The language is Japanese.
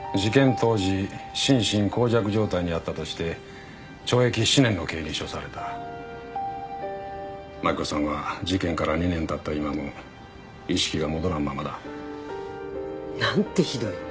当時心神耗弱状態にあったとして懲役７年の刑に処された真紀子さんは事件から２年たった今も意識が戻らんままだなんてひどい！